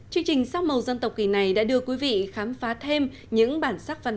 cho vào bột tỏi và siver nướcgeme b another